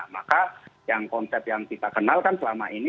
maka yang konsep yang kita kenalkan selama ini